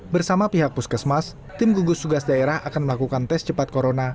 bersama pihak puskesmas tim gugus tugas daerah akan melakukan tes cepat corona